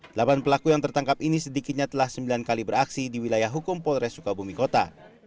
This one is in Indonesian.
delapan pelaku yang tertangkap ini sedikitnya telah sembilan kali beraksi di wilayah hukum polres sukabumi kota